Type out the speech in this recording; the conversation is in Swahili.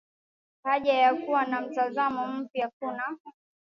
haja ya kuwa na mtazamo mpya kuna